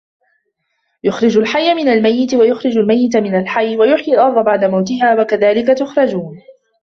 يُخرِجُ الحَيَّ مِنَ المَيِّتِ وَيُخرِجُ المَيِّتَ مِنَ الحَيِّ وَيُحيِي الأَرضَ بَعدَ مَوتِها وَكَذلِكَ تُخرَجونَ